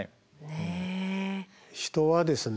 人はですね